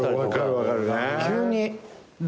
急に。